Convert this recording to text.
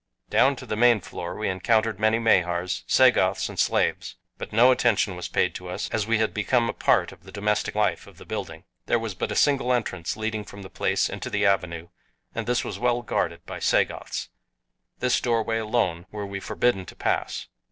Down to the main floor we encountered many Mahars, Sagoths, and slaves; but no attention was paid to us as we had become a part of the domestic life of the building. There was but a single entrance leading from the place into the avenue and this was well guarded by Sagoths this doorway alone were we forbidden to pass.